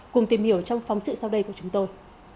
cùng tìm hiểu trong phóng sự sau đây của chúng tôi